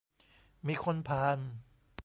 มีคนผ่าน